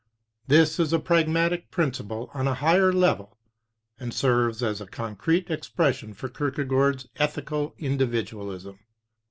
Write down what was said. This is a pragmatic principle on a higher level, and serves as a concrete expression for Kierkegaard's ethical individualism.